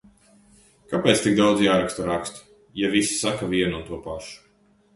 Kāpēc tik daudz jāraksta rakstu, ja visi saka vienu un to pašu?